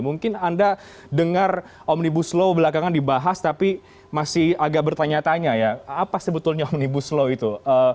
mungkin anda dengar omnibus law belakangan dibahas tapi masih agak bertanya tanya ya apa sebetulnya omnibus law itu